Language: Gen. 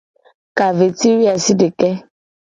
Ka ve ci woe asideke.